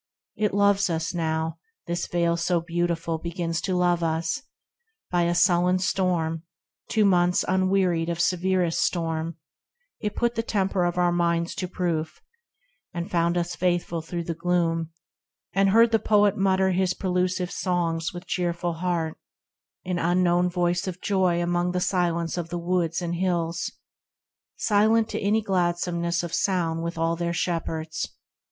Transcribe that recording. It loves us now, this Vale so beautiful Begins to love us ! by a sullen storm, Two months unwearied of severest storm, It put the temper of our minds to proof, And found us faithful through the gloom, and heard The poet mutter his prelusive songs With cheerful heart, an unknown voice of joy Among the silence of the woods and hills ; Silent to any gladsomeness of sound With all their shepherds.